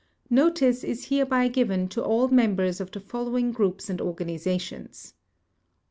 Notice is hereby given to all members of the following groups and organizations: 1.